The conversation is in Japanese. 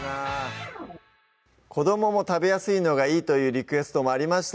子どもも食べやすいのがいいというリクエストもありました